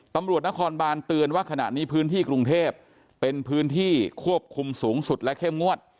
ตำรวจนครบานเตือนว่าขณะนี้พื้นที่กรุงเทพเป็นพื้นที่ควบคุมสูงสุดและเข้มงวด